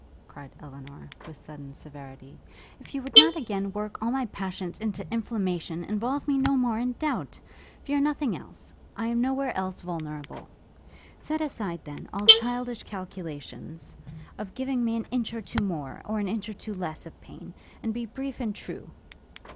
cried Elinor, with sudden severity, 'if you would not again work all my passions into inflammation involve me no more in doubt! Fear nothing else. I am no where else vulnerable. Set aside, then, all childish calculations, of giving me an inch or two more, or an inch or two less of pain, and be brief and true!'